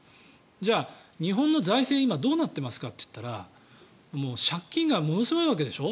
じゃあ、日本の財政は今どうなっていますかといったら借金がものすごいわけでしょ。